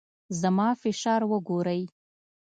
زما فشار وګورئ.